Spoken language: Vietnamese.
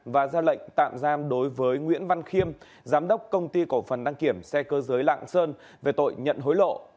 và ra lệnh tạm giam đối với nguyễn văn khiêm giám đốc công ty cổ phần đăng kiểm xe cơ giới lạng sơn về tội nhận hối lộ